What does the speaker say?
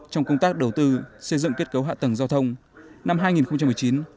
trong công tác đầu tư xây dựng kết cấu hạ tầng giao thông năm hai nghìn một mươi chín